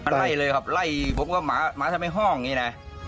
ไล่เลยครับไล่ผมว่าหมาทำไมห้องงี้หน่่า